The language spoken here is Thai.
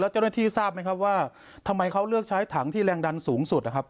เจ้าหน้าที่ทราบไหมครับว่าทำไมเขาเลือกใช้ถังที่แรงดันสูงสุดนะครับ